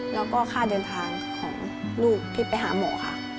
แล้วก็ค่าเดินทางของลูกที่ไปหาหมอค่ะ